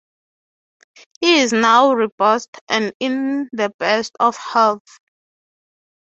He is now robust and in the best of health.